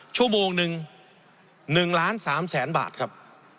ชั่วโมงหนึ่ง๑ล้าน๓แสนบาทครับ